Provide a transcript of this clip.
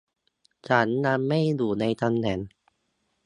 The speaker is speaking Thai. ฉันยังไม่อยู่ในตำแหน่ง